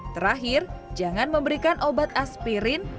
terakhir jangan memberikan obat aspirin